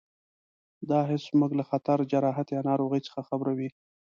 دا حس موږ له خطر، جراحت یا ناروغۍ څخه خبروي.